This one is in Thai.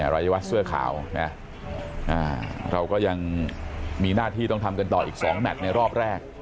รายวัตรเสื้อขาวนะเราก็ยังมีหน้าที่ต้องทำกันต่ออีก๒แมทในรอบแรก